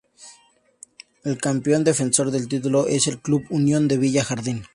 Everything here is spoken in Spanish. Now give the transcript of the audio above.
El campeón defensor del título es el club Unión de Villa Jardín.